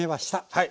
はい。